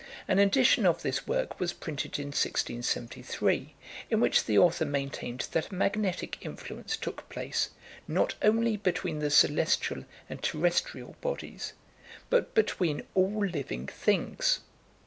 An edition of this work was printed in 1673, in which the author maintained that a magnetic influence took place, not only between the celestial and terrestrial bodies, but between all living things.